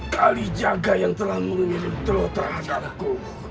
kalijaga yang telah mengirim telur terhadapku